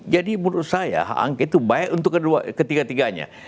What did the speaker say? jadi menurut saya hak angket itu baik untuk ketiga tiganya